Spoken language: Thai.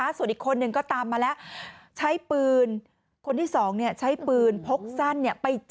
แล้วอีกคนนึงก็ตามมาแล้วใช้ปืนพกสั้นไปจ่อ